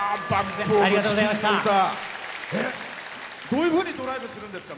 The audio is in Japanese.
どういうふうにドライブするんですか？